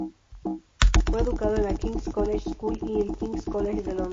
Fue educado en la King's College School y en el King's College de Londres.